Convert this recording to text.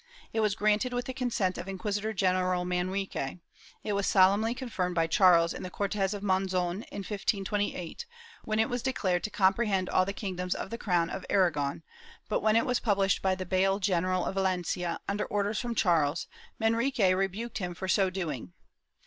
It was granted with the consent of Inquisitor general Manrique ; it was solemnly confirmed by Charles in the Cortes of Monzon, in 1528, when it was declared to compre hend all the kingdoms of the crown of Aragon, but when it was published by the Bayle general of Valencia, imder orders from Charles, Manrique rebuked him for so doing.